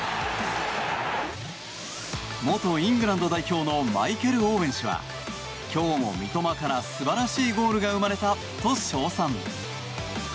元イングランド代表のマイケル・オーウェン氏は今日も三笘から素晴らしいゴールが生まれたと称賛。